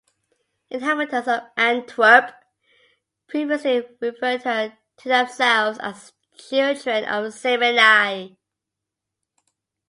Inhabitants of Antwerp previously referred to themselves as "children of Semini".